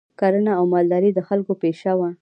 کرنه او مالداري د خلکو پیشه وه